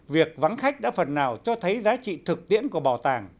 việc vắng khách đã phần nào cho thấy giá trị thực tiễn của bảo tàng